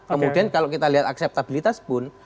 kemudian kalau kita lihat akseptabilitas pun